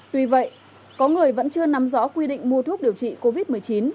tuy vậy có người vẫn chưa nắm rõ quy định mua thuốc điều trị covid một mươi chín